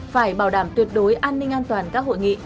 phải bảo đảm tuyệt đối an ninh an toàn các hội nghị